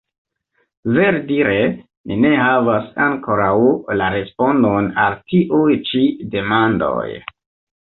Ver-dire ni ne havas ankoraŭ la respondon al tiuj ĉi demandoj.